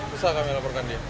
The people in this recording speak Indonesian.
susah kami laporkan dia